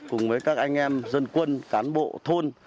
cùng với các anh em dân quân cán bộ thôn